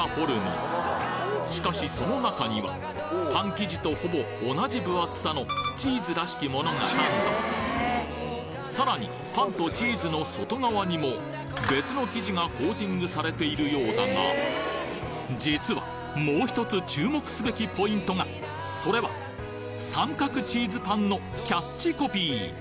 しかしその中にはパン生地とほぼ同じ分厚さのチーズらしきものがサンドさらにパンとチーズの外側にも別の生地がコーティングされているようだが実はもう１つ注目すべきポイントがそれは三角チーズパンのキャッチコピー